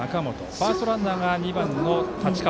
ファーストランナーが２番の太刀川。